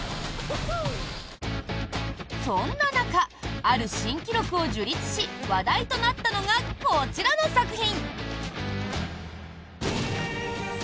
そんな中、ある新記録を樹立し話題となったのがこちらの作品。